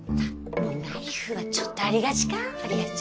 ナイフはちょっとありがちか？